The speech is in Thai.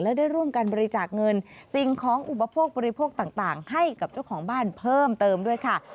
และได้ร่วมกันบริจาคเงินสิ่งของอุปโภคบริโภคต่างให้กับเจ้าของบ้านเพิ่มเติมด้วยค่ะ